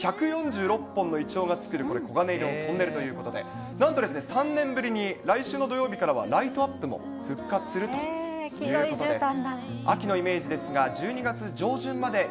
１４６本のいちょうが作る黄金色のトンネルということで、なんと３年ぶりに、来週の土曜日からは、ライトアップも復活するということです。